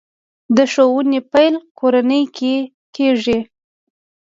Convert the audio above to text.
د ښوونې پیل کورنۍ کې کېږي.